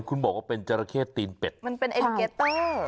คุณบอกว่าเป็นจราเข้ตีนเป็ดมันเป็นเอ็นเกเตอร์